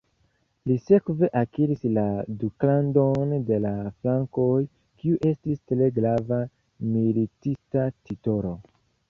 Li sekve akiris la "Duklandon de la Frankoj", kiu estis tre grava militista titolo.